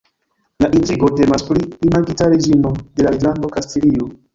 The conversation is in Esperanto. La intrigo temas pri imagita reĝino de la Reĝlando Kastilio.